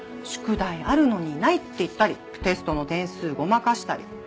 宿題あるのにないって言ったりテストの点数ごまかしたり。